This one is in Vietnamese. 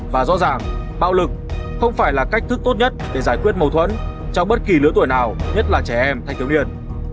và rõ ràng bạo lực không phải là cách thức tốt nhất để giải quyết mâu thuẫn trong bất kỳ lứa tuổi nào nhất là trẻ em hay thiếu niên